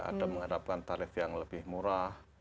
ada mengharapkan tarif yang lebih murah